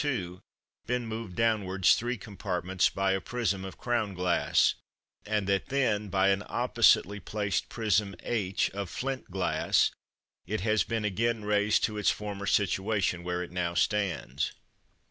2, been moved downwards three compartments by a prism of crown glass, and that then by an oppositely placed prism h, of flint glass, it has been again raised to its former situation, where it now stands.